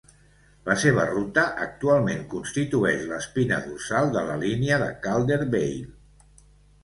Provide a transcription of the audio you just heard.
La seva ruta actualment constitueix l'espina dorsal de la línia de Caldervale.